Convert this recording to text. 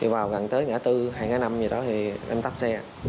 vào gần tới ngã bốn ngã năm gì đó thì em tắp xe